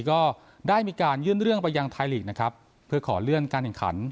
ก็ได้มีการยื่นเรื่องไปยังไทยลีกนะครับเพื่อขอเลื่อนการแข่งขัน